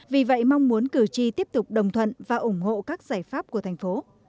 vì vậy mong muốn cử tri tiếp tục đồng thuận và ủng hộ các giải pháp của thành phố